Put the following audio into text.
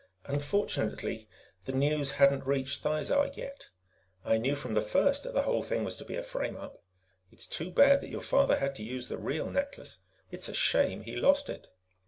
Unfortunately, the news hadn't reached Thizar yet. I knew from the first that the whole thing was to be a frame up. It's too bad that your father had to use the real necklace it's a shame he lost it."